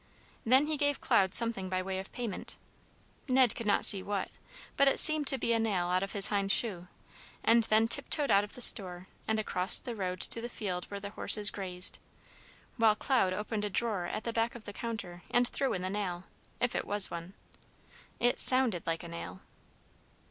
Then he gave Cloud something by way of payment. Ned could not see what, but it seemed to be a nail out of his hind shoe, and then tiptoed out of the store and across the road to the field where the horses grazed, while Cloud opened a drawer at the back of the counter and threw in the nail, if it was one. It sounded like a nail.